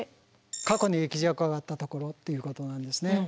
過去に液状化があったところっていうことなんですね。